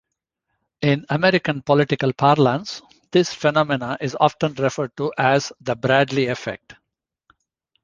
In American political parlance, this phenomenon is often referred to as the Bradley effect.